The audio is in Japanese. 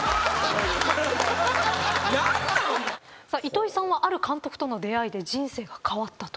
糸井さんはある監督との出会いで人生が変わったと。